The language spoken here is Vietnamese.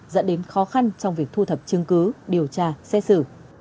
dẫn đến khó khăn trong việc thu thập chứng cứ điều tra xét xử